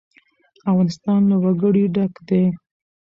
افغانستان له وګړي ډک دی.